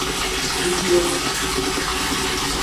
Luziânia